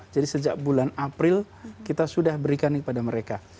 jadi sejak bulan april kita sudah berikan kepada mereka